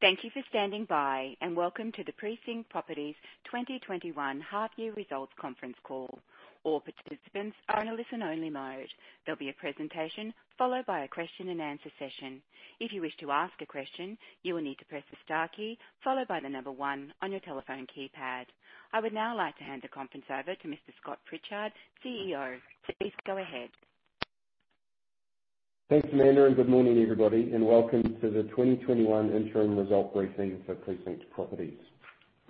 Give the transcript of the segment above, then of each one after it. Thank you for standing by, and welcome to the Precinct Properties 2021 half-year results conference call. All participants are in a listen-only mode. There'll be a presentation followed by a question-and-answer session. If you wish to ask a question, you will need to press the star key followed by the number one on your telephone keypad. I would now like to hand the conference over to Mr. Scott Pritchard, CEO. Please go ahead. Thanks, Amanda. Good morning, everybody, and welcome to the 2021 interim result briefing for Precinct Properties.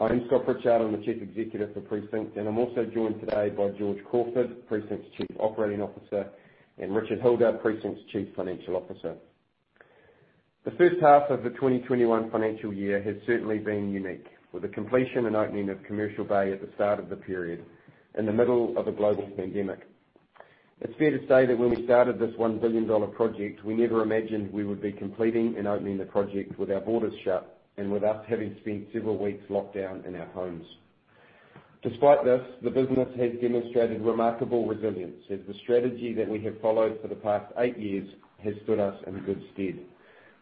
I'm Scott Pritchard. I'm the Chief Executive for Precinct, and I'm also joined today by George Crawford, Precinct's Chief Operating Officer, and Richard Hilder, Precinct's Chief Financial Officer. The first half of the 2021 financial year has certainly been unique, with the completion and opening of Commercial Bay at the start of the period in the middle of a global pandemic. It's fair to say that when we started this 1 billion dollar project, we never imagined we would be completing and opening the project with our borders shut and with us having spent several weeks locked down in our homes. Despite this, the business has demonstrated remarkable resilience, as the strategy that we have followed for the past eight years has stood us in good stead.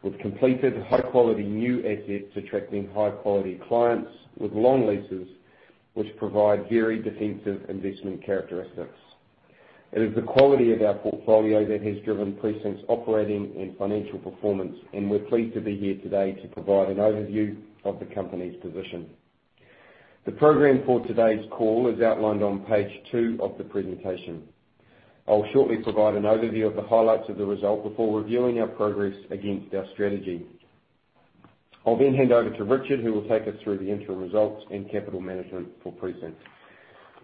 We've completed high-quality new assets, attracting high-quality clients with long leases, which provide very defensive investment characteristics. It is the quality of our portfolio that has driven Precinct's operating and financial performance, and we're pleased to be here today to provide an overview of the company's position. The program for today's call is outlined on page two of the presentation. I'll shortly provide an overview of the highlights of the result before reviewing our progress against our strategy. I'll then hand over to Richard, who will take us through the interim results and capital management for Precinct.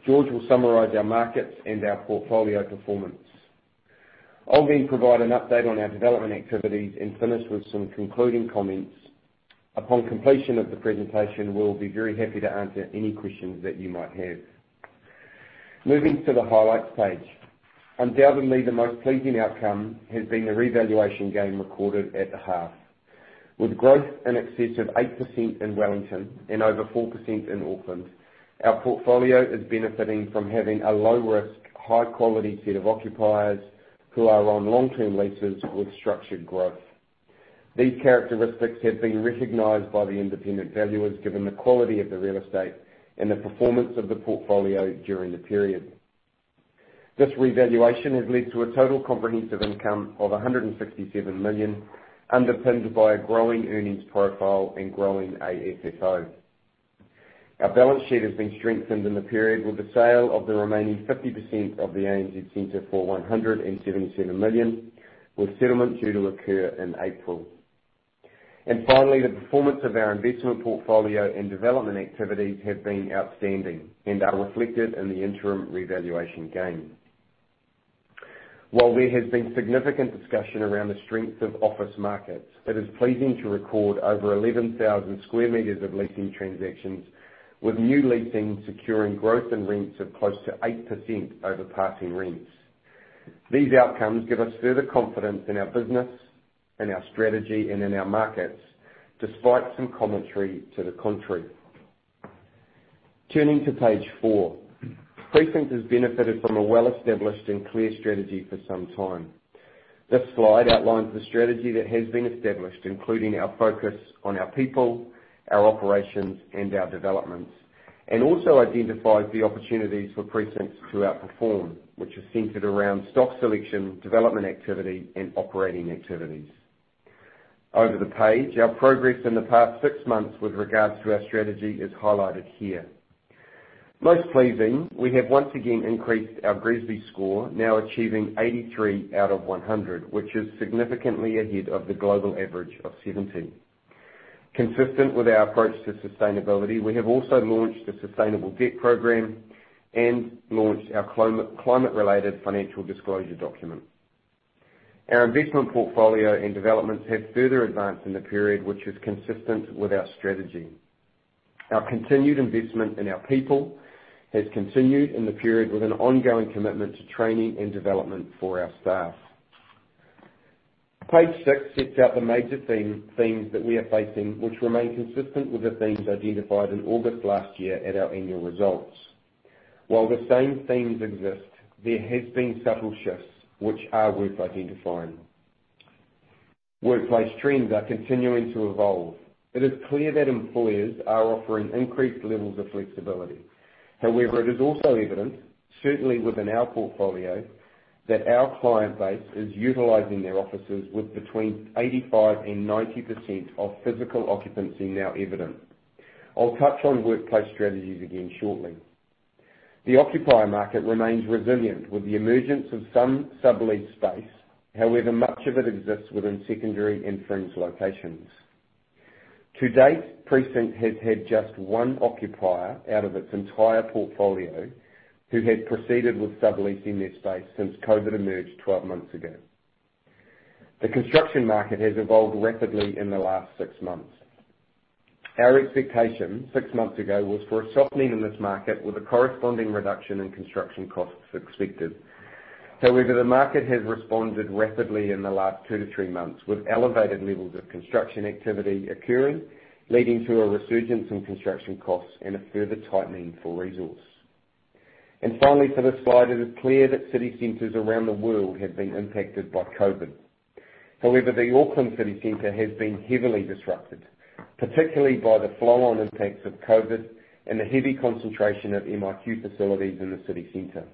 George will summarize our markets and our portfolio performance. I'll provide an update on our development activities and finish with some concluding comments. Upon completion of the presentation, we'll be very happy to answer any questions that you might have. Moving to the highlights page. Undoubtedly, the most pleasing outcome has been the revaluation gain recorded at the half. With growth in excess of 8% in Wellington and over 4% in Auckland, our portfolio is benefiting from having a low-risk, high-quality set of occupiers who are on long-term leases with structured growth. These characteristics have been recognized by the independent valuers, given the quality of the real estate and the performance of the portfolio during the period. This revaluation has led to a total comprehensive income of 167 million, underpinned by a growing earnings profile and growing AFFO. Our balance sheet has been strengthened in the period with the sale of the remaining 50% of the ANZ Centre for 177 million, with settlement due to occur in April. Finally, the performance of our investment portfolio and development activities have been outstanding and are reflected in the interim revaluation gain. While there has been significant discussion around the strength of office markets, it is pleasing to record over 11,000 sq m of leasing transactions, with new leasing securing growth and rents of close to 8% over passing rents. These outcomes give us further confidence in our business, in our strategy, and in our markets, despite some commentary to the contrary. Turning to page four. Precinct has benefited from a well-established and clear strategy for some time. This slide outlines the strategy that has been established, including our focus on our people, our operations, and our developments, and also identifies the opportunities for Precinct to outperform, which are centered around stock selection, development activity, and operating activities. Over the page, our progress in the past six months with regards to our strategy is highlighted here. Most pleasing, we have once again increased our GRESB score, now achieving 83 out of 100, which is significantly ahead of the global average of 70. Consistent with our approach to sustainability, we have also launched a sustainable debt program and launched our climate-related financial disclosure document. Our investment portfolio and developments have further advanced in the period, which is consistent with our strategy. Our continued investment in our people has continued in the period with an ongoing commitment to training and development for our staff. Page six sets out the major themes that we are facing, which remain consistent with the themes identified in August last year at our annual results. While the same themes exist, there have been subtle shifts, which are worth identifying. Workplace trends are continuing to evolve. It is clear that employers are offering increased levels of flexibility. However, it is also evident, certainly within our portfolio, that our client base is utilizing their offices with between 85% and 90% of physical occupancy now evident. I'll touch on workplace strategies again shortly. The occupier market remains resilient with the emergence of some subleased space. However, much of it exists within secondary and fringe locations. To date, Precinct has had just one occupier out of its entire portfolio who has proceeded with subleasing their space since COVID emerged 12 months ago. The construction market has evolved rapidly in the last six months. Our expectation six months ago was for a softening in this market with a corresponding reduction in construction costs expected. However, the market has responded rapidly in the last 2-3 months, with elevated levels of construction activity occurring, leading to a resurgence in construction costs and a further tightening for resource. Finally, for this slide, it is clear that city centers around the world have been impacted by COVID. However, the Auckland city center has been heavily disrupted, particularly by the flow-on impacts of COVID and the heavy concentration of MIQ facilities in the city center.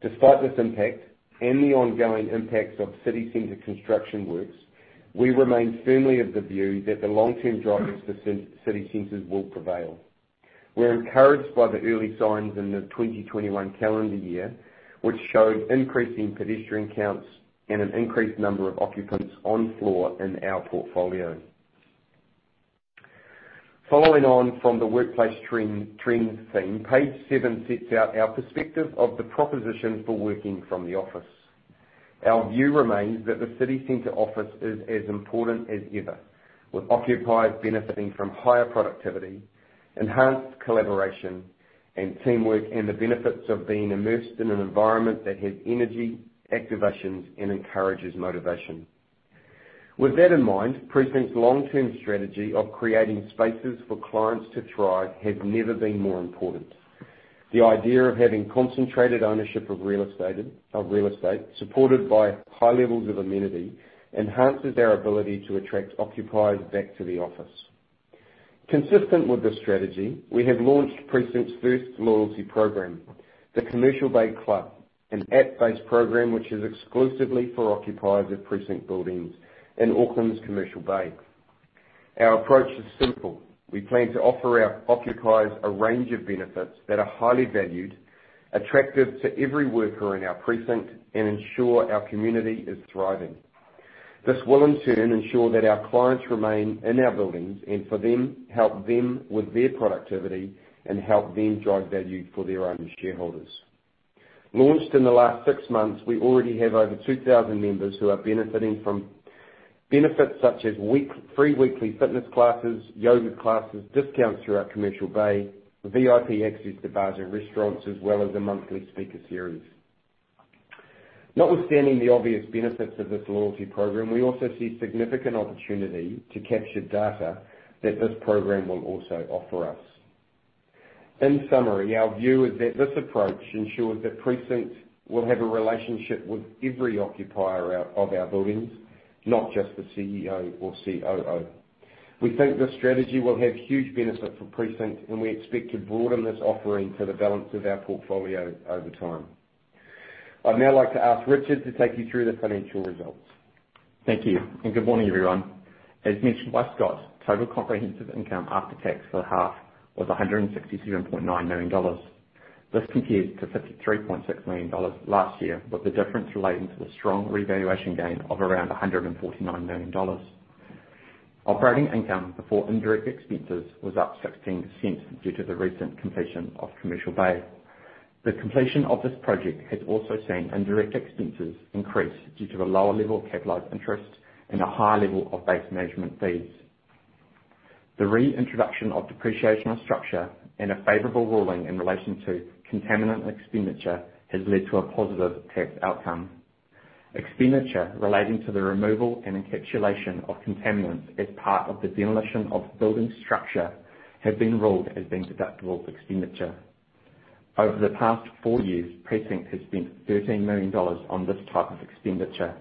Despite this impact and the ongoing impacts of city center construction works, we remain firmly of the view that the long-term drivers for city centers will prevail. We're encouraged by the early signs in the 2021 calendar year, which showed increasing pedestrian counts and an increased number of occupants on floor in our portfolio. Following on from the workplace trends theme, page seven sets out our perspective of the proposition for working from the office. Our view remains that the city center office is as important as ever, with occupiers benefiting from higher productivity, enhanced collaboration, and teamwork, and the benefits of being immersed in an environment that has energy, activations, and encourages motivation. With that in mind, Precinct's long-term strategy of creating spaces for clients to thrive has never been more important. The idea of having concentrated ownership of real estate supported by high levels of amenity enhances our ability to attract occupiers back to the office. Consistent with this strategy, we have launched Precinct's first loyalty program, the Commercial Bay Club, an app-based program which is exclusively for occupiers of Precinct buildings in Auckland's Commercial Bay. Our approach is simple. We plan to offer our occupiers a range of benefits that are highly valued, attractive to every worker in our precinct, and ensure our community is thriving. This will, in turn, ensure that our clients remain in our buildings, and for them, help them with their productivity, and help them drive value for their own shareholders. Launched in the last six months, we already have over 2,000 members who are benefiting from benefits such as free weekly fitness classes, yoga classes, discounts throughout Commercial Bay, VIP access to bars and restaurants, as well as a monthly speaker series. Notwithstanding the obvious benefits of this loyalty program, we also see significant opportunity to capture data that this program will also offer us. In summary, our view is that this approach ensures that Precinct will have a relationship with every occupier of our buildings, not just the CEO or COO. We think this strategy will have huge benefit for Precinct, and we expect to broaden this offering to the balance of our portfolio over time. I'd now like to ask Richard to take you through the financial results. Thank you. Good morning, everyone. As mentioned by Scott, total comprehensive income after tax for the half was 167.9 million dollars. This compares to 53.6 million dollars last year, with the difference relating to the strong revaluation gain of around 149 million dollars. Operating income before indirect expenses was up 16% due to the recent completion of Commercial Bay. The completion of this project has also seen indirect expenses increase due to a lower level of capitalized interest and a higher level of base measurement fees. The reintroduction of depreciational structure and a favorable ruling in relation to contaminant expenditure has led to a positive tax outcome. Expenditure relating to the removal and encapsulation of contaminants as part of the demolition of building structure have been ruled as being deductible expenditure. Over the past four years, Precinct has spent 13 million dollars on this type of expenditure,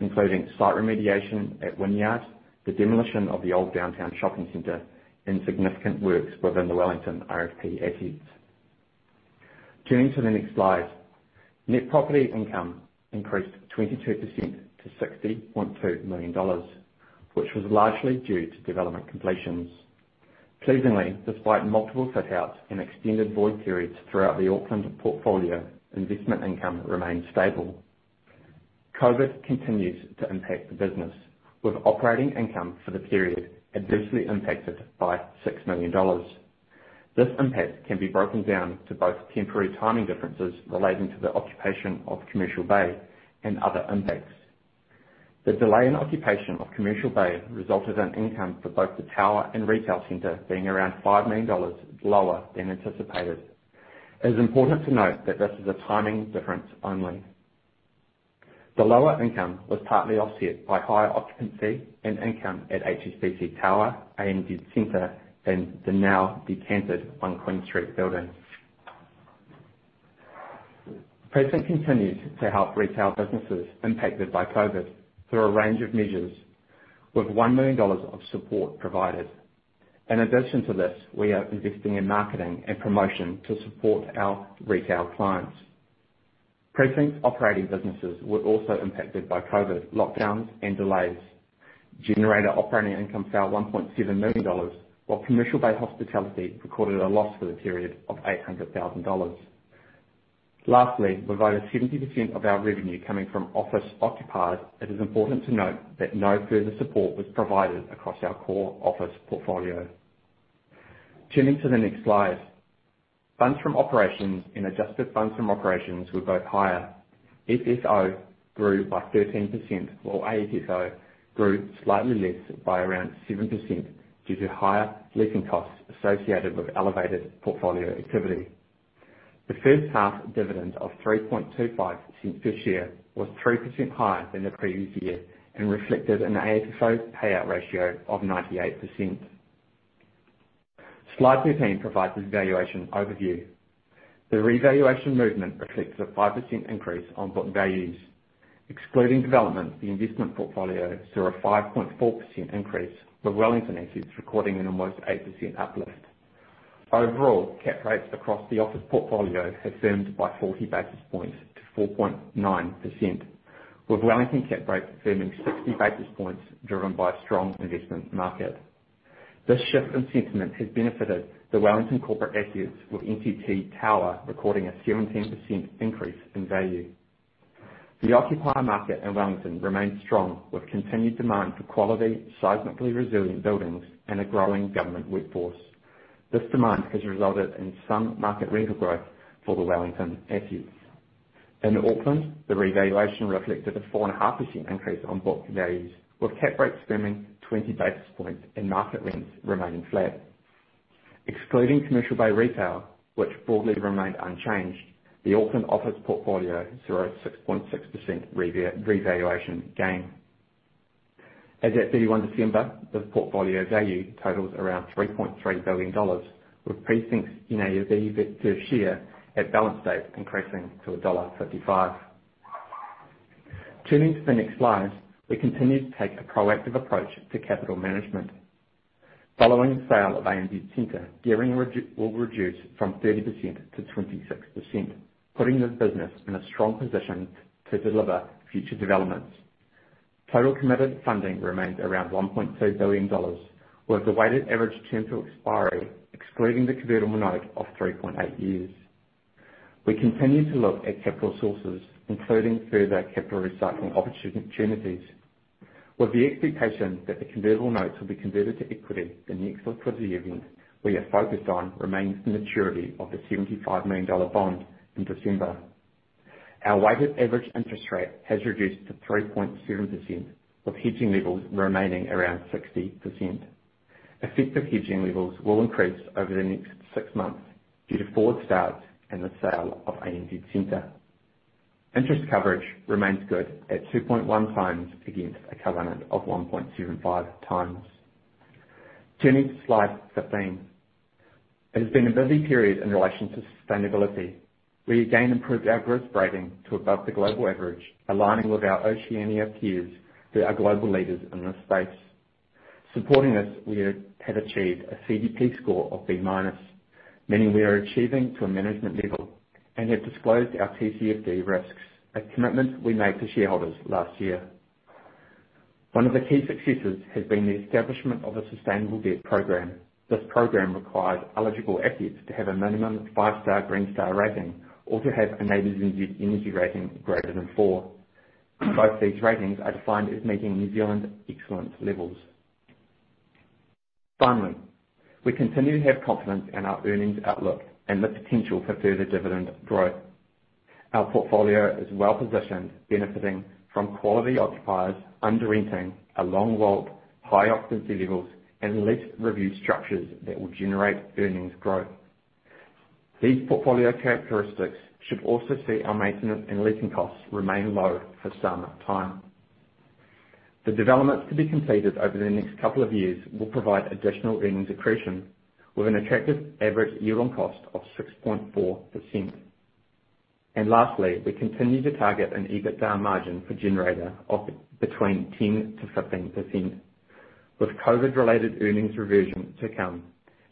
including site remediation at Wynyard, the demolition of the old downtown shopping center, and significant works within the Wellington RFP assets. Turning to the next slide. Net property income increased 22% to 60.2 million dollars, which was largely due to development completions. Pleasingly, despite multiple fit outs and extended void periods throughout the Auckland portfolio, investment income remained stable. COVID continues to impact the business, with operating income for the period adversely impacted by 6 million dollars. This impact can be broken down to both temporary timing differences relating to the occupation of Commercial Bay and other impacts. The delay in occupation of Commercial Bay resulted in income for both the tower and retail center being around 5 million dollars lower than anticipated. It is important to note that this is a timing difference only. The lower income was partly offset by higher occupancy and income at HSBC Tower, ANZ Centre, and the now-decanted One Queen Street building. Precinct continues to help retail businesses impacted by COVID through a range of measures, with 1 million dollars of support provided. In addition to this, we are investing in marketing and promotion to support our retail clients. Precinct's operating businesses were also impacted by COVID lockdowns and delays. Generator operating income fell 1.7 million dollars, while Commercial Bay Hospitality recorded a loss for the period of 800,000 dollars. Lastly, with over 70% of our revenue coming from office occupiers, it is important to note that no further support was provided across our core office portfolio. Turning to the next slide. Funds from operations and adjusted funds from operations were both higher. FFO grew by 13%, while AFFO grew slightly less by around 7% due to higher leasing costs associated with elevated portfolio activity. The first half dividend of 0.0325 this year was 3% higher than the previous year and reflected an AFFO payout ratio of 98%. Slide 13 provides this valuation overview. The revaluation movement reflects a 5% increase on book values. Excluding development, the investment portfolio saw a 5.4% increase, with Wellington assets recording an almost 8% uplift. Overall, Cap rates across the office portfolio have firmed by 40 basis points to 4.9%, with Wellington Cap rates firming 60 basis points, driven by a strong investment market. This shift in sentiment has benefited the Wellington corporate assets, with NTT Tower recording a 17% increase in value. The occupier market in Wellington remains strong, with continued demand for quality, seismically resilient buildings and a growing government workforce. This demand has resulted in some market rental growth for the Wellington assets. In Auckland, the revaluation reflected a 4.5% increase on book values, with Cap rates firming 20 basis points and market rents remaining flat. Excluding Commercial Bay Retail, which broadly remained unchanged, the Auckland office portfolio saw a 6.6% revaluation gain. As at 31 December, the portfolio value totals around 3.3 billion dollars, with Precinct's NAV per share at balance date increasing to dollar 1.55. Turning to the next slide. We continue to take a proactive approach to capital management. Following the sale of ANZ Centre, gearing will reduce from 30% to 26%, putting the business in a strong position to deliver future developments. Total committed funding remains around 1.2 billion dollars, with a weighted average term to expiry, excluding the convertible note of 3.8 years. We continue to look at capital sources, including further capital recycling opportunities. With the expectation that the convertible notes will be converted to equity in the exercise of the event, we are focused on remains the maturity of the NZD 75 million bond in December. Our weighted average interest rate has reduced to 3.7%, with hedging levels remaining around 60%. Effective hedging levels will increase over the next six months due to forward starts and the sale of ANZ Centre. Interest coverage remains good at 2.1x against a covenant of 1.25x. Turning to slide 15. It has been a busy period in relation to sustainability. We again improved our GRESB rating to above the global average, aligning with our Oceania peers who are global leaders in this space. Supporting us, we have achieved a CDP score of B-, meaning we are achieving to a management level and have disclosed our TCFD risks, a commitment we made to shareholders last year. One of the key successes has been the establishment of a sustainable debt program. This program requires eligible assets to have a minimum 5-star Green Star rating or to have a NABERS energy rating greater than 4. Both these ratings are defined as meeting New Zealand excellence levels. Finally, we continue to have confidence in our earnings outlook and the potential for further dividend growth. Our portfolio is well-positioned, benefiting from quality occupiers under renting, a long WALT, high occupancy levels, and lease review structures that will generate earnings growth. These portfolio characteristics should also see our maintenance and leasing costs remain low for some time. The developments to be completed over the next couple of years will provide additional earnings accretion with an attractive average year on cost of 6.4%. Lastly, we continue to target an EBITDA margin for Generator of between 10%-15%, with COVID related earnings reversion to come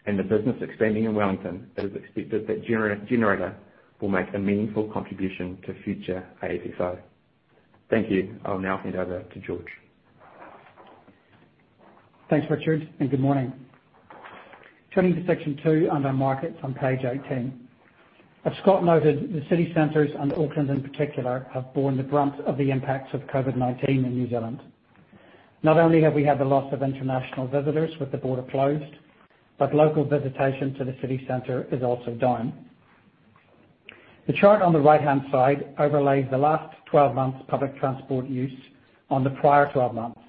and the business expanding in Wellington, it is expected that Generator will make a meaningful contribution to future AFFO. Thank you. I'll now hand over to George. Thanks, Richard. Good morning. Turning to section two under Markets on page 18. As Scott noted, the city centers and Auckland in particular, have borne the brunt of the impacts of COVID-19 in New Zealand. Not only have we had the loss of international visitors with the border closed, but local visitation to the city center is also down. The chart on the right-hand side overlays the last 12 months public transport use on the prior 12 months.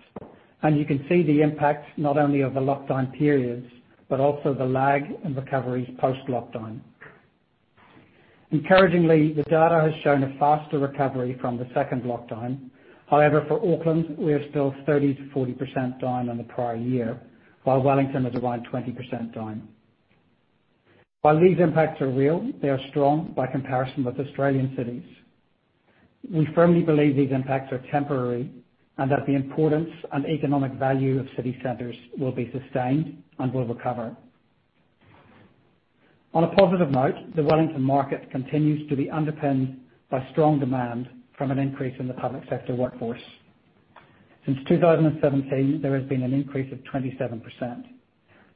You can see the impact not only of the lockdown periods, but also the lag and recoveries post-lockdown. Encouragingly, the data has shown a faster recovery from the second lockdown. However, for Auckland, we are still 30%-40% down on the prior year, while Wellington is around 20% down. While these impacts are real, they are strong by comparison with Australian cities. We firmly believe these impacts are temporary and that the importance and economic value of city centers will be sustained and will recover. On a positive note, the Wellington market continues to be underpinned by strong demand from an increase in the public sector workforce. Since 2017, there has been an increase of 27%,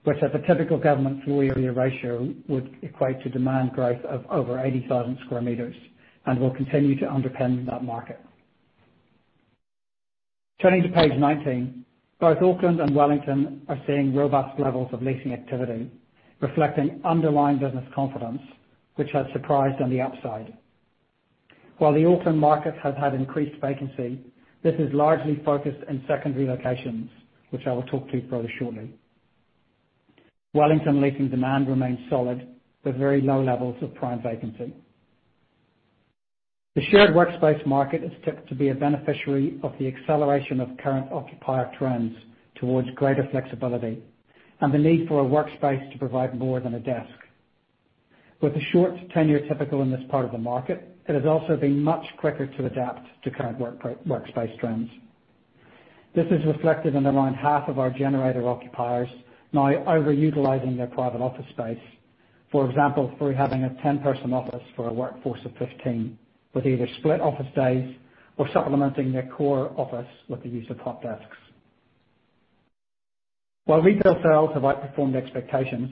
which at the typical government floor area ratio, would equate to demand growth of over 80,000 sq m and will continue to underpin that market. Turning to page 19. Both Auckland and Wellington are seeing robust levels of leasing activity, reflecting underlying business confidence, which has surprised on the upside. While the Auckland market has had increased vacancy, this is largely focused in secondary locations, which I will talk to further shortly. Wellington leasing demand remains solid with very low levels of prime vacancy. The shared workspace market is tipped to be a beneficiary of the acceleration of current occupier trends towards greater flexibility and the need for a workspace to provide more than a desk. With a short tenure typical in this part of the market, it has also been much quicker to adapt to current workspace trends. This is reflected in around half of our Generator occupiers now over-utilizing their private office space. For example, through having a 10-person office for a workforce of 15, with either split office days or supplementing their core office with the use of hot desks. While retail sales have outperformed expectations,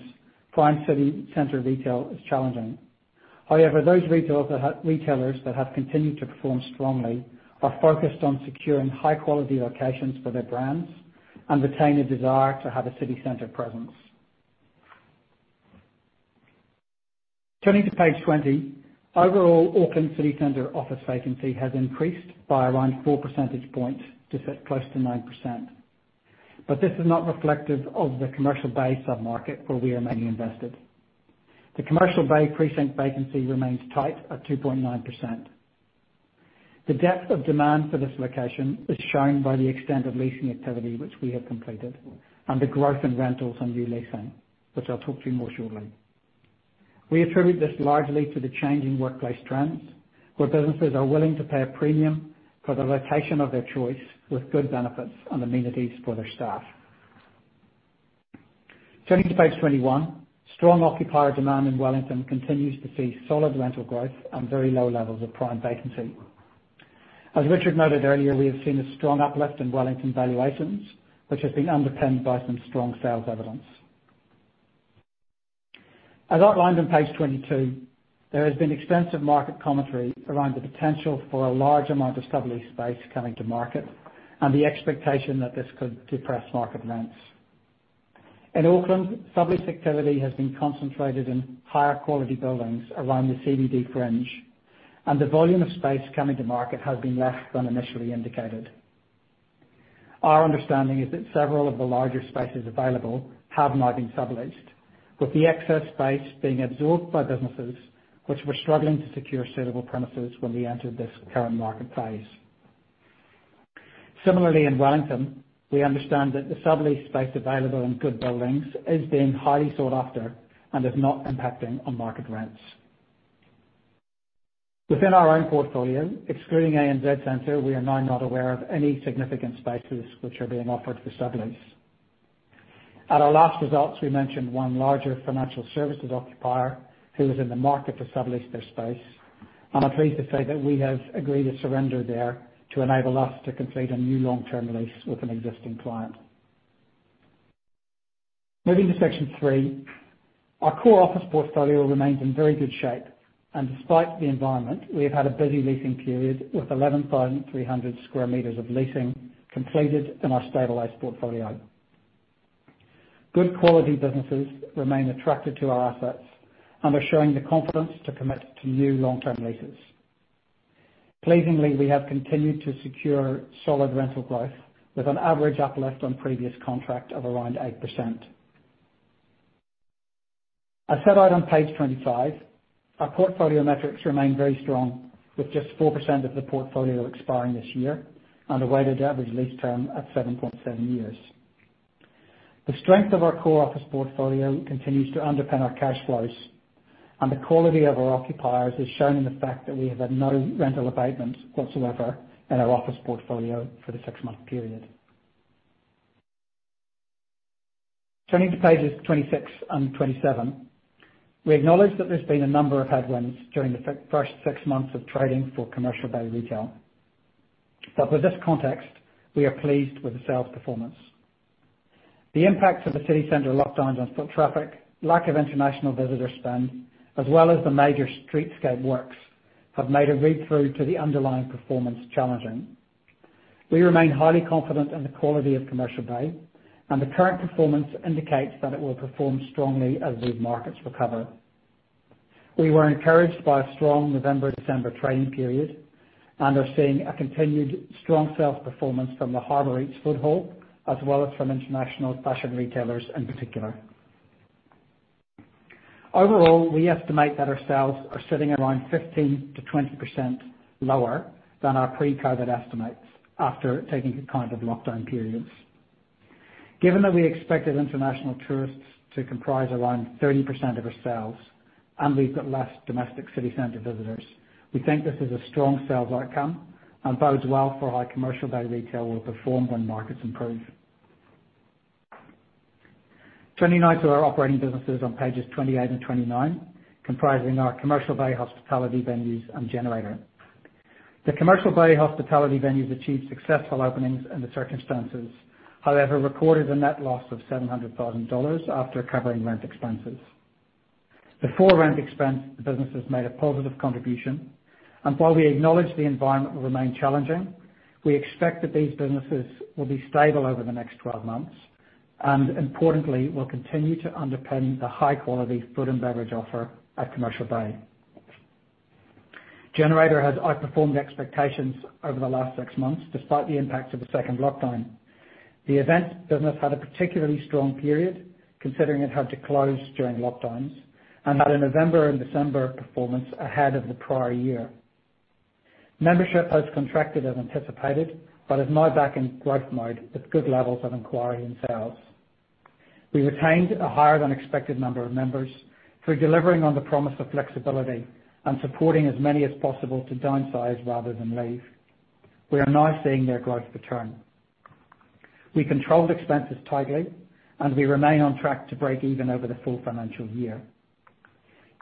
prime city center retail is challenging. However, those retailers that have continued to perform strongly are focused on securing high-quality locations for their brands and retain a desire to have a city center presence. Turning to page 20, overall Auckland city center office vacancy has increased by around four percentage points to sit close to 9%. This is not reflective of the Commercial Bay sub-market where we are mainly invested. The Commercial Bay precinct vacancy remains tight at 2.9%. The depth of demand for this location is shown by the extent of leasing activity which we have completed and the growth in rentals and re-leasing, which I'll talk to you more shortly. We attribute this largely to the changing workplace trends, where businesses are willing to pay a premium for the location of their choice, with good benefits and amenities for their staff. Turning to page 21, strong occupier demand in Wellington continues to see solid rental growth and very low levels of prime vacancy. As Richard noted earlier, we have seen a strong uplift in Wellington valuations, which has been underpinned by some strong sales evidence. As outlined on page 22, there has been extensive market commentary around the potential for a large amount of subleased space coming to market and the expectation that this could depress market rents. In Auckland, sublease activity has been concentrated in higher quality buildings around the CBD fringe, and the volume of space coming to market has been less than initially indicated. Our understanding is that several of the larger spaces available have now been subleased, with the excess space being absorbed by businesses which were struggling to secure suitable premises when we entered this current market phase. Similarly, in Wellington, we understand that the subleased space available in good buildings is being highly sought after and is not impacting on market rents. Within our own portfolio, excluding ANZ Centre, we are now not aware of any significant spaces which are being offered for sublease. At our last results, we mentioned one larger financial services occupier who was in the market to sublease their space, and I'm pleased to say that we have agreed a surrender there to enable us to complete a new long-term lease with an existing client. Moving to section three, our core office portfolio remains in very good shape and despite the environment, we have had a busy leasing period with 11,300 sq m of leasing completed in our stabilized portfolio. Good quality businesses remain attracted to our assets and are showing the confidence to commit to new long-term leases. Pleasingly, we have continued to secure solid rental growth with an average uplift on previous contract of around 8%. As set out on page 25, our portfolio metrics remain very strong with just 4% of the portfolio expiring this year and a weighted average lease term of 7.7 years. The strength of our core office portfolio continues to underpin our cash flows, and the quality of our occupiers is shown in the fact that we have had no rental abatement whatsoever in our office portfolio for the six-month period. Turning to pages 26 and 27, we acknowledge that there's been a number of headwinds during the first six months of trading for Commercial Bay retail. With this context, we are pleased with the sales performance. The impact of the city center lockdowns on foot traffic, lack of international visitor spend, as well as the major streetscape works, have made a read-through to the underlying performance challenging. We remain highly confident in the quality of Commercial Bay. The current performance indicates that it will perform strongly as these markets recover. We were encouraged by a strong November-December trading period and are seeing a continued strong sales performance from the Harbour Eats foot hall, as well as from international fashion retailers in particular. Overall, we estimate that our sales are sitting around 15%-20% lower than our pre-COVID estimates after taking account of lockdown periods. Given that we expected international tourists to comprise around 30% of our sales and we've got less domestic city center visitors, we think this is a strong sales outcome and bodes well for how Commercial Bay retail will perform when markets improve. Turning now to our operating businesses on pages 28 and 29, comprising our Commercial Bay Hospitality venues and Generator. The Commercial Bay Hospitality venues achieved successful openings in the circumstances, however, reported a net loss of 700,000 dollars after covering rent expenses. Before rent expense, the businesses made a positive contribution, and while we acknowledge the environment will remain challenging, we expect that these businesses will be stable over the next 12 months and importantly, will continue to underpin the high-quality food and beverage offer at Commercial Bay. Generator has outperformed expectations over the last six months, despite the impact of the second lockdown. The events business had a particularly strong period considering it had to close during lockdowns, and had a November and December performance ahead of the prior year. Membership has contracted as anticipated, but is now back in growth mode with good levels of inquiry and sales. We retained a higher than expected number of members through delivering on the promise of flexibility and supporting as many as possible to downsize rather than leave. We are now seeing their growth return. We controlled expenses tightly, and we remain on track to break even over the full financial year.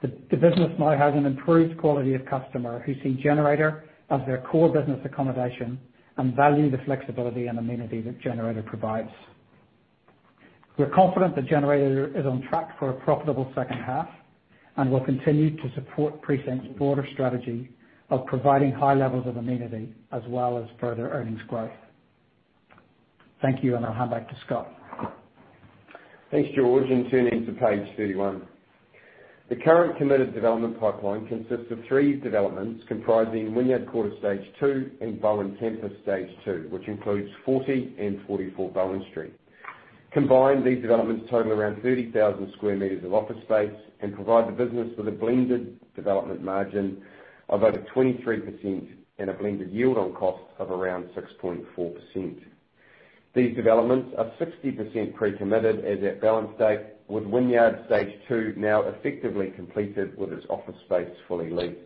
The business now has an improved quality of customer who see Generator as their core business accommodation and value the flexibility and amenity that Generator provides. We're confident that Generator is on track for a profitable second half and will continue to support Precinct's broader strategy of providing high levels of amenity as well as further earnings growth. Thank you, and I'll hand back to Scott. Thanks, George. Turning to page 31. The current committed development pipeline consists of three developments comprising Wynyard Quarter Stage 2 and Bowen Campus Stage 2, which includes 40 and 44 Bowen Street. Combined, these developments total around 30,000 sq m of office space and provide the business with a blended development margin of over 23% and a blended yield on cost of around 6.4%. These developments are 60% pre-committed as at balance date, with Wynyard Stage 2 now effectively completed, with its office space fully leased.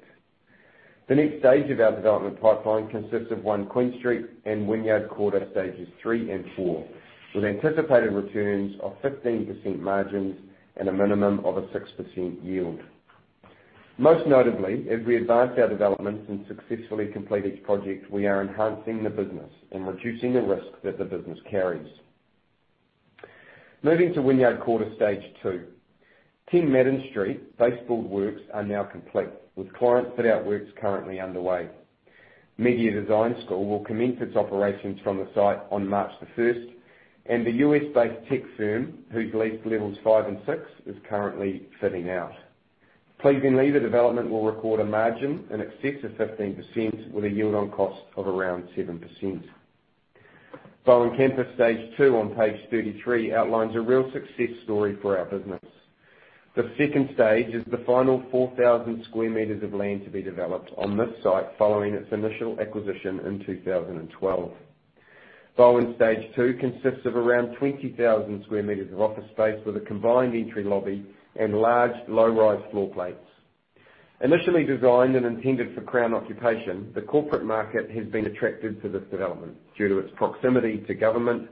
The next stage of our development pipeline consists of one Queen Street and Wynyard Quarter Stages 3 and 4, with anticipated returns of 15% margins and a minimum of a 6% yield. Most notably, as we advance our developments and successfully complete each project, we are enhancing the business and reducing the risk that the business carries. Moving to Wynyard Quarter Stage 2. 10 Madden Street, base build works are now complete, with client fit-out works currently underway. Media Design School will commence its operations from the site on March the 1st, and the U.S.-based tech firm, who's leased levels 5 and 6, is currently fitting out. Pleasingly, the development will record a margin in excess of 15%, with a yield on cost of around 7%. Bowen Campus Stage 2 on page 33 outlines a real success story for our business. The second stage is the final 4,000 sq m of land to be developed on this site following its initial acquisition in 2012. Bowen Stage 2 consists of around 20,000 sq m of office space with a combined entry lobby and large low-rise floor plates. Initially designed and intended for Crown occupation, the corporate market has been attracted to this development due to its proximity to government,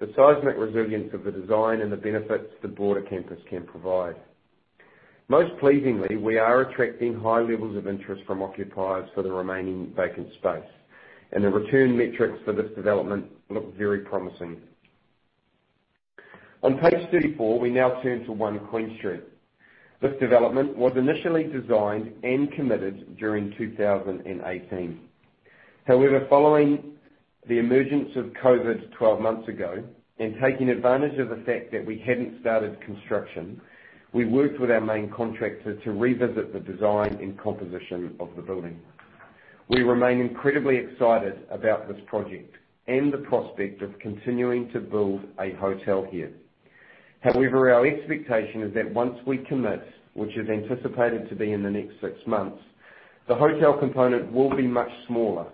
the seismic resilience of the design, and the benefits the broader campus can provide. Most pleasingly, we are attracting high levels of interest from occupiers for the remaining vacant space, and the return metrics for this development look very promising. On page 34, we now turn to 1 Queen Street. This development was initially designed and committed during 2018. Following the emergence of COVID 12 months ago and taking advantage of the fact that we hadn't started construction, we worked with our main contractor to revisit the design and composition of the building. We remain incredibly excited about this project and the prospect of continuing to build a hotel here. However, our expectation is that once we commit, which is anticipated to be in the next six months, the hotel component will be much smaller,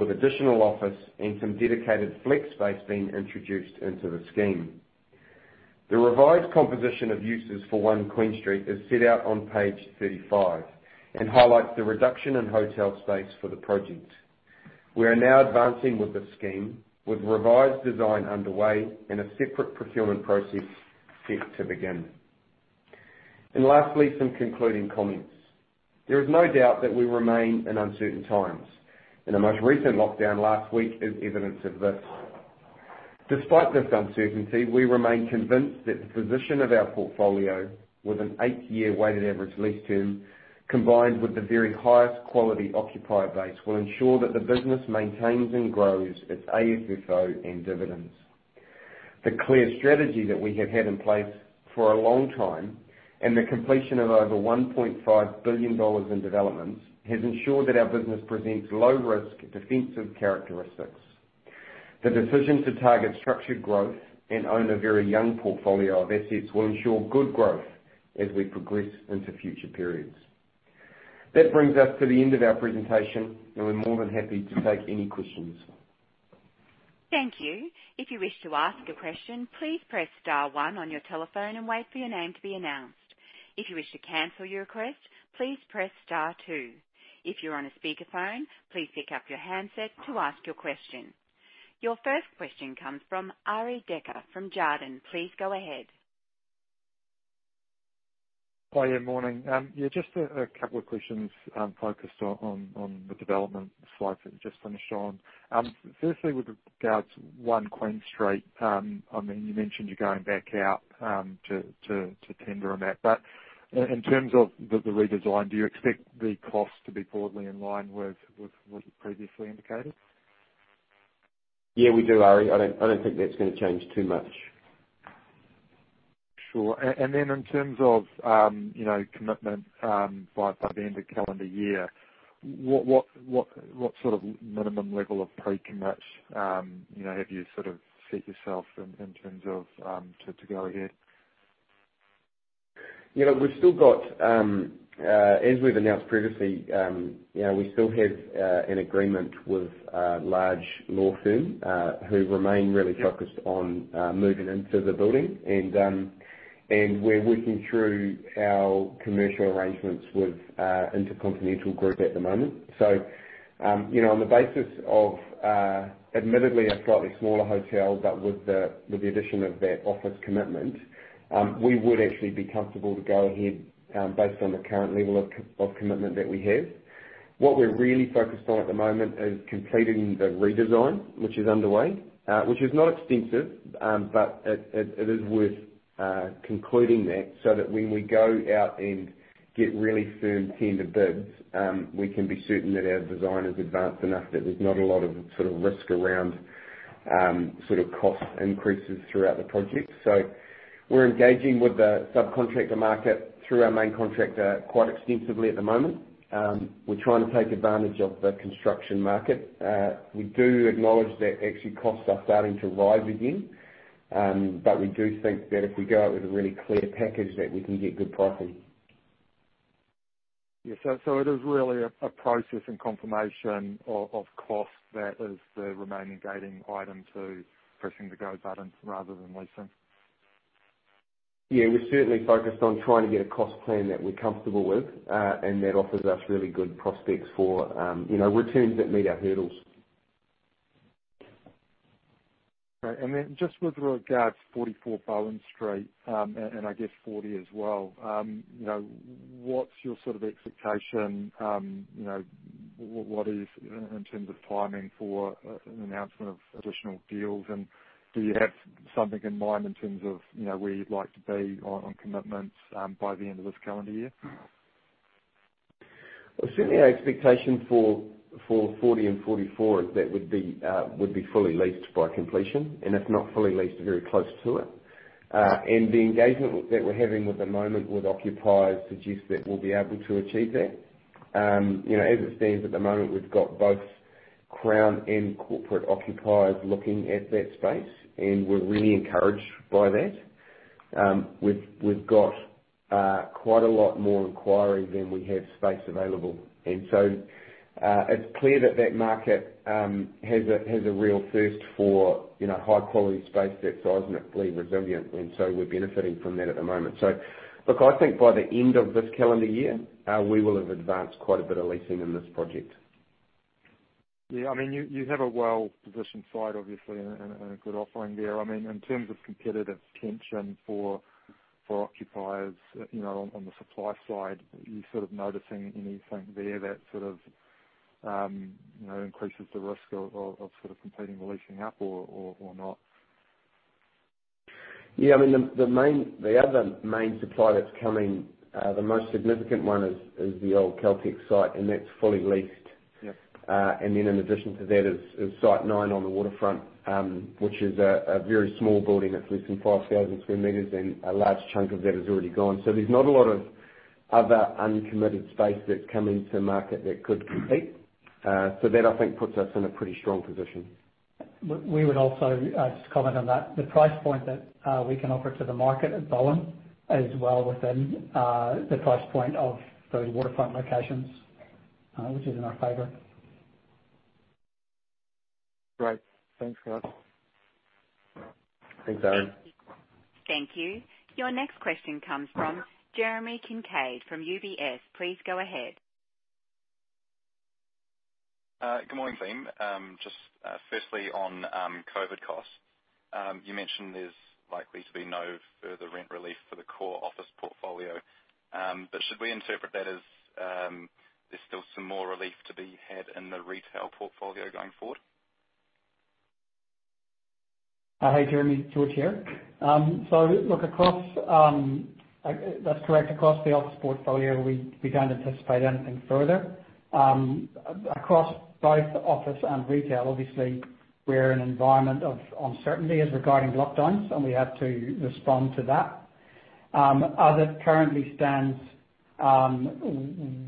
with additional office and some dedicated flex space being introduced into the scheme. The revised composition of uses for 1 Queen Street is set out on page 35 and highlights the reduction in hotel space for the project. We are now advancing with the scheme, with revised design underway and a separate procurement process set to begin. Lastly, some concluding comments. There is no doubt that we remain in uncertain times, and the most recent lockdown last week is evidence of this. Despite this uncertainty, we remain convinced that the position of our portfolio with an eight-year weighted average lease term, combined with the very highest quality occupier base, will ensure that the business maintains and grows its AFFO and dividends. The clear strategy that we have had in place for a long time and the completion of over 1.5 billion dollars in developments has ensured that our business presents low risk, defensive characteristics. The decision to target structured growth and own a very young portfolio of assets will ensure good growth as we progress into future periods. That brings us to the end of our presentation, and we're more than happy to take any questions. Thank you. If you wish to ask a question, please press star one on your telephone and wait for your name to be announced. If you wish to cancel your request, please press star two. If you're on a speakerphone, please pick up your handset to ask your question. Your first question comes from Arie Dekker from Jarden. Please go ahead. Hi. Yeah, morning. Yeah, just a couple of questions focused on the development slides that you just finished on. Firstly, with regards 1 Queen Street, you mentioned you're going back out to tender on that. In terms of the redesign, do you expect the cost to be broadly in line with what you previously indicated? Yeah, we do, Arie. I don't think that's going to change too much Sure. In terms of commitment by the end of calendar year, what sort of minimum level of pre-commit have you set yourself in terms of to go ahead? As we've announced previously, we still have an agreement with a large law firm who remain really focused on moving into the building. We're working through our commercial arrangements with InterContinental Group at the moment. On the basis of admittedly a slightly smaller hotel, but with the addition of that office commitment, we would actually be comfortable to go ahead based on the current level of commitment that we have. What we're really focused on at the moment is completing the redesign, which is underway, which is not extensive, but it is worth concluding that, so that when we go out and get really firm tender bids, we can be certain that our design is advanced enough, that there's not a lot of risk around cost increases throughout the project. We're engaging with the subcontractor market through our main contractor quite extensively at the moment. We're trying to take advantage of the construction market. We do acknowledge that actually costs are starting to rise again. We do think that if we go out with a really clear package, that we can get good pricing. Yeah. It is really a process and confirmation of cost that is the remaining gating item to pressing the go button rather than leasing. Yeah. We're certainly focused on trying to get a cost plan that we're comfortable with, and that offers us really good prospects for returns that meet our hurdles. Right. Just with regards 44 Bowen Street, and I guess 40 as well, what's your expectation in terms of timing for an announcement of additional deals, and do you have something in mind in terms of where you'd like to be on commitments by the end of this calendar year? Well, certainly our expectation for 40 and 44 is that would be fully leased by completion, and if not fully leased, very close to it. The engagement that we're having with the moment with occupiers suggests that we'll be able to achieve that. As it stands at the moment, we've got both Crown and corporate occupiers looking at that space, and we're really encouraged by that. We've got quite a lot more inquiry than we have space available. It's clear that that market has a real thirst for high quality space that's resilient. We're benefiting from that at the moment. Look, I think by the end of this calendar year, we will have advanced quite a bit of leasing in this project. You have a well-positioned site, obviously, and a good offering there. In terms of competitive tension for occupiers on the supply side, are you noticing anything there that increases the risk of completing the leasing up or not? Yeah. The other main supply that's coming, the most significant one is the old Caltex site, and that's fully leased. Yep. In addition to that is Site 9 on the waterfront, which is a very small building. It's less than 5,000 sq m, and a large chunk of that has already gone. There's not a lot of other uncommitted space that's coming to market that could compete. That, I think, puts us in a pretty strong position. We would also just comment on that. The price point that we can offer to the market at Bowen is well within the price point of those waterfront locations, which is in our favor. Great. Thanks, guys. Thanks, Arie. Thank you. Your next question comes from Jeremy Kincaid from UBS. Please go ahead. Good morning, team. Just firstly on COVID costs. You mentioned there's likely to be no further rent relief for the core office portfolio. Should we interpret that as there's still some more relief to be had in the retail portfolio going forward? Hi, Jeremy. George here. That's correct. Across the office portfolio, we don't anticipate anything further. Across both office and retail, obviously, we're in an environment of uncertainty as regarding lockdowns, and we have to respond to that. As it currently stands,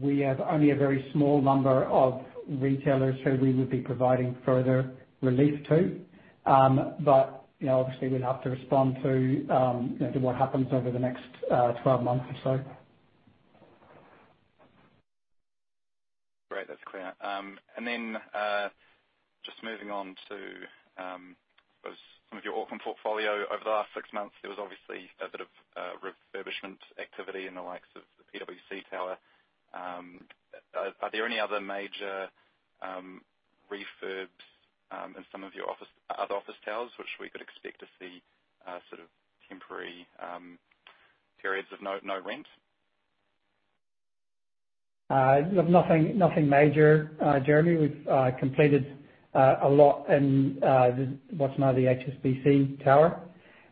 we have only a very small number of retailers who we would be providing further relief to. Obviously, we'll have to respond to what happens over the next 12 months or so. Great. That's clear. Just moving on to some of your Auckland portfolio. Over the last six months, there was obviously a bit of refurbishment activity in the likes of the PwC Tower. Are there any other major refurbs in some of your other office towers, which we could expect to see temporary periods of no rent? Nothing major, Jeremy. We've completed a lot in what's now the HSBC Tower,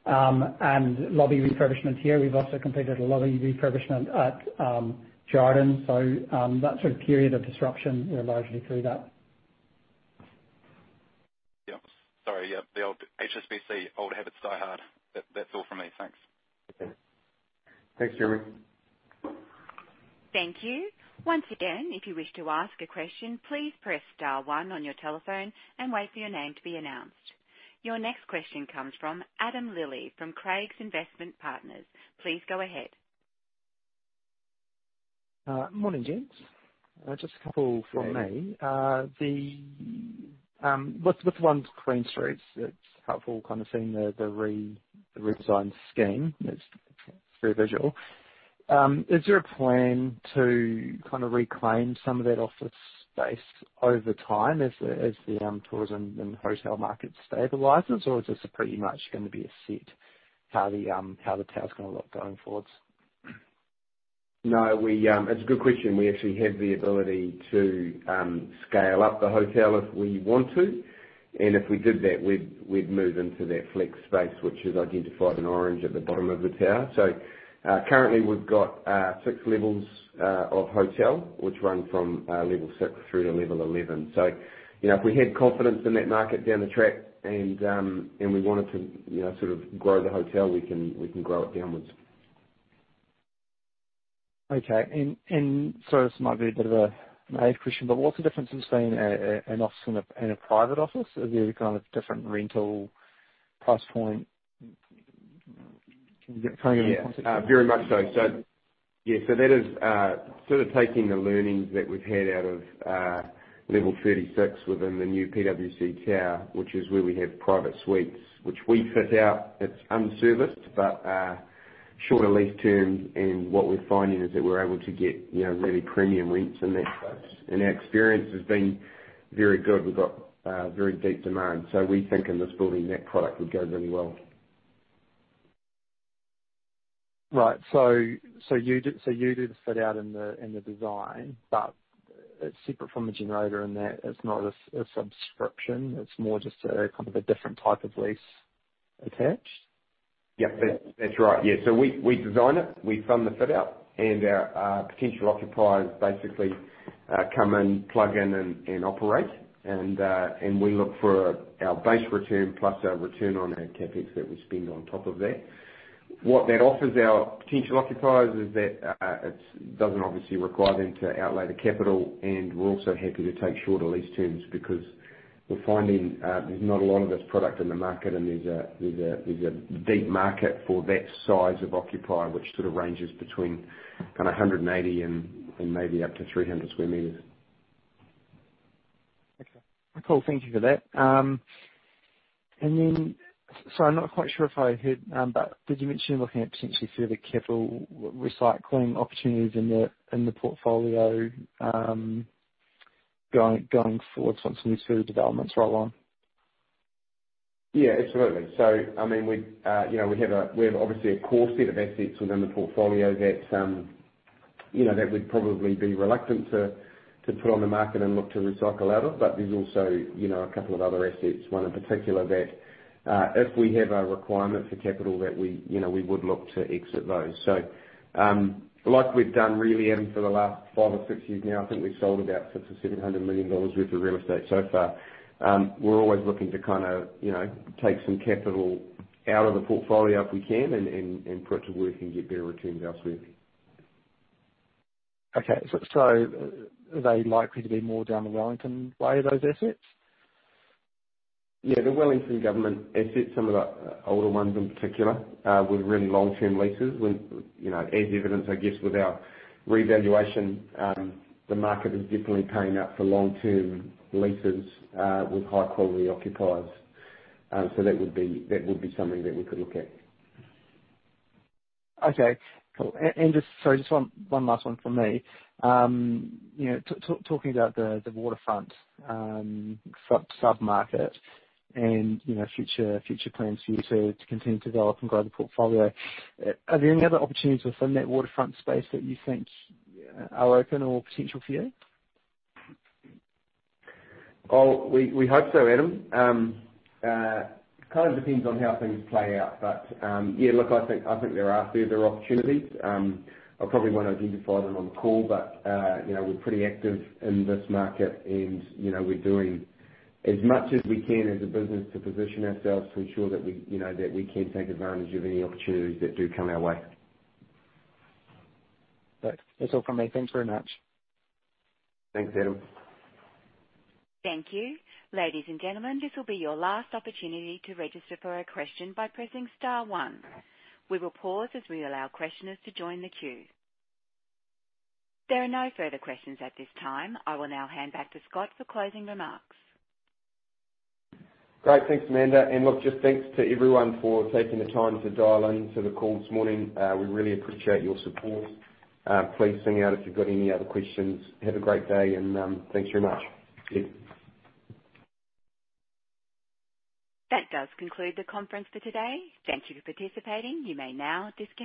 and lobby refurbishment here. We've also completed a lobby refurbishment at Jarden. That period of disruption, we're largely through that. Sorry, yeah. The old HSBC, old habits die hard. That's all from me. Thanks. Okay. Thanks, Jeremy. Thank you. Once again, Your next question comes from Adam Lilley from Craigs Investment Partners. Please go ahead. Morning, gents. Just a couple from me. Hey. With 1 Queen Street, it's helpful kind of seeing the redesigned scheme. It's very visual. Is there a plan to kind of reclaim some of that office space over time as the tourism and hotel market stabilizes? Is this pretty much gonna be a set how the tower's gonna look going forwards? No. It's a good question. We actually have the ability to scale up the hotel if we want to. If we did that, we'd move into that flex space, which is identified in orange at the bottom of the tower. Currently we've got 6 levels of hotel, which run from level 6 through to level 11. If we had confidence in that market down the track and we wanted to grow the hotel, we can grow it downwards. Okay. Sorry, this might be a bit of a naive question, but what's the difference between an office and a private office? Is there a kind of different rental price point? Can you put it in the context of? Yeah. Very much so. Yeah, so that is taking the learnings that we've had out of level 36 within the new PwC Tower, which is where we have private suites, which we fit out. It's unserviced, but shorter lease terms. What we're finding is that we're able to get really premium rents in that space. Our experience has been very good. We've got very deep demand. We think in this building, that product would go really well. Right. you do the fit out and the design, but it's separate from the Generator in that it's not a subscription. It's more just a kind of a different type of lease attached? Yep, that's right. Yeah. We design it, we fund the fit out, and our potential occupiers basically come in, plug in and operate. We look for our base return plus our return on our CapEx that we spend on top of that. What that offers our potential occupiers is that it doesn't obviously require them to outlay the capital. We're also happy to take shorter lease terms because we're finding there's not a lot of this product in the market, and there's a deep market for that size of occupier, which sort of ranges between 180 and maybe up to 300 sq m. Okay. Cool. Thank you for that. I'm not quite sure if I heard, but did you mention looking at potentially further capital recycling opportunities in the portfolio, going forward once these further developments roll on? Yeah, absolutely. We have obviously a core set of assets within the portfolio that we'd probably be reluctant to put on the market and look to recycle out of. There's also a couple of other assets, one in particular, that, if we have a requirement for capital that we would look to exit those. Like we've done really, Adam, for the last five or six years now, I think we've sold about 600 million-700 million dollars worth of real estate so far. We're always looking to take some capital out of the portfolio if we can and put it to work and get better returns elsewhere. Okay. Are they likely to be more down the Wellington way, those assets? Yeah, the Wellington government assets, some of the older ones in particular, with really long-term leases. As evidenced, I guess, with our revaluation, the market is definitely paying up for long-term leases with high-quality occupiers. That would be something that we could look at. Okay. Cool. Just, sorry, just one last one from me. Talking about the waterfront sub-market and future plans for you to continue to develop and grow the portfolio, are there any other opportunities within that waterfront space that you think are open or potential for you? Well, we hope so, Adam. It kind of depends on how things play out. Yeah, look, I think there are further opportunities. I probably won't identify them on the call, but we're pretty active in this market, and we're doing as much as we can as a business to position ourselves to ensure that we can take advantage of any opportunities that do come our way. Great. That's all from me. Thanks very much. Thanks, Adam. Thank you. Ladies and gentlemen, this will be your last opportunity to register for a question by pressing star one. We will pause as we allow questioners to join the queue. There are no further questions at this time. I will now hand back to Scott for closing remarks. Great. Thanks, Amanda. Look, just thanks to everyone for taking the time to dial into the call this morning. We really appreciate your support. Please send me out if you've got any other questions. Have a great day, and thanks very much. Cheers. That does conclude the conference for today. Thank you for participating. You may now disconnect.